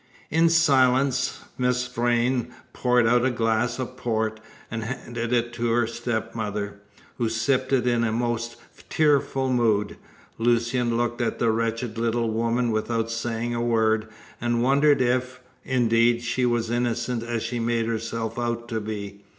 In silence Miss Vrain poured out a glass of port and handed it to her stepmother, who sipped it in a most tearful mood. Lucian looked at the wretched little woman without saying a word, and wondered if, indeed, she was as innocent as she made herself out to be.